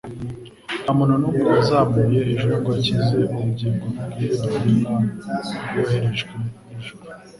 Nta muntu n'umwe wazamuye ijwi ngo akize ubugingo bw'iyo ntumwa yoherejwe n'ijuru.